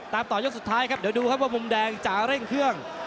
ต่อยกสุดท้ายครับเดี๋ยวดูครับว่ามุมแดงจะเร่งเครื่อง